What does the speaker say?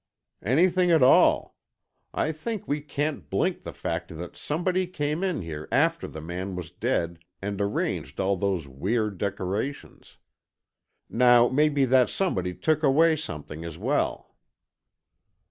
"Anything at all. I think we can't blink the fact that somebody came in here after the man was dead, and arranged all those weird decorations. Now maybe that somebody took away something as well."